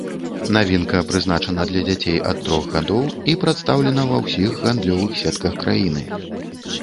Навінка прызначана для дзяцей ад трох гадоў і прадстаўлена ва ўсіх гандлёвых сетках краіны.